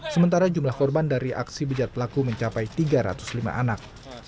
sementara jumlah korban dari aksi bejat pelaku mencapai tiga ratus lima anak